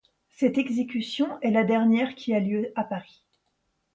Cette exécution est la dernière qui a lieu à Paris.